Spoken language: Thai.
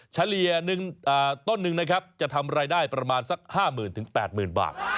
เฉลี่ย๑ต้นหนึ่งนะครับจะทำรายได้ประมาณสัก๕๐๐๐๘๐๐๐บาท